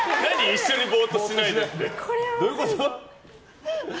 一緒にぼーっとしないでってどういうこと？